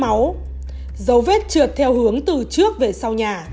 dấu vết trượt theo hướng từ trước về sau nhà